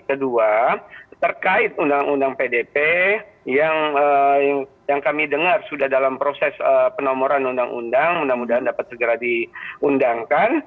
kedua terkait undang undang pdp yang kami dengar sudah dalam proses penomoran undang undang mudah mudahan dapat segera diundangkan